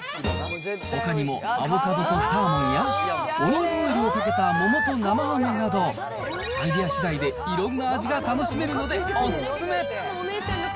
ほかにもアボカドとサーモンや、オリーブオイルをかけた桃と生ハムなど、アイデアしだいでいろんな味が楽しめるので、お勧め。